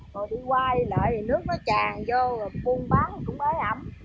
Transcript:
rồi đi qua đi lại thì nước nó tràn vô buôn bán cũng ế ẩm